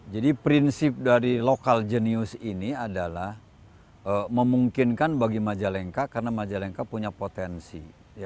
jadi prinsip dari lokal jenius ini adalah memungkinkan bagi majalengka karena majalengka punya potensi